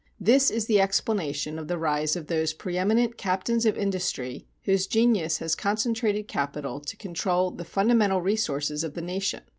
This is the explanation of the rise of those preëminent captains of industry whose genius has concentrated capital to control the fundamental resources of the nation.